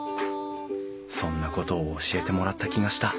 そんなことを教えてもらった気がした